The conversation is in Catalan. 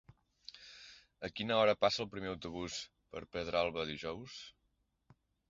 A quina hora passa el primer autobús per Pedralba dijous?